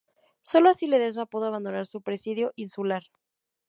Solo así Ledesma pudo abandonar su presidio insular.